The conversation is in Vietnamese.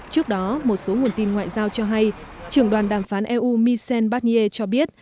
trước đó một số nguồn tin ngoại giao cho hay trưởng đoàn đàm phán eu michel barnier cho biết